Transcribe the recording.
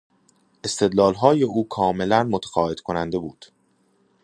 استدلالهای او کاملا متقاعد کننده بود.